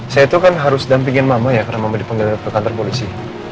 saya itu kan harus dampingin mama ya karena mama dipanggil ke kantor polisi